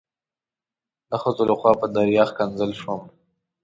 د ښځو لخوا په دریا ښکنځل شوم.